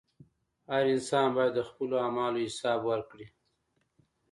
• هر انسان باید د خپلو اعمالو حساب ورکړي.